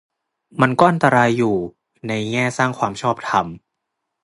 มันก็อันตรายอยู่ ในแง่สร้างความชอบธรรม